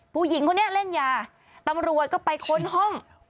ผู้หญิงคนนี้เล่นยาตำรวจก็ไปค้นห้อง